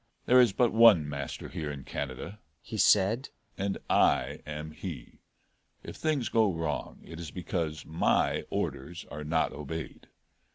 "There is but one master here in Canada," he said, "and I am he. If things go wrong it is because my orders are not obeyed.